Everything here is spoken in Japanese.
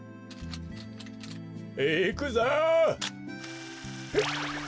いくぞ！